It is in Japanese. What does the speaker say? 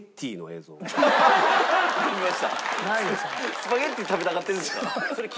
スパゲッティ食べたがってるんですか？